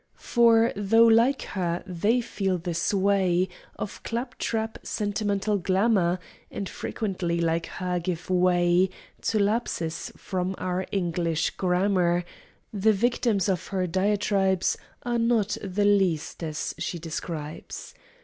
For tho', like her, they feel the sway Of claptrap sentimental glamour, And frequently, like her, give way To lapses from our English grammar, The victims of her diatribes Are not the least as she describes.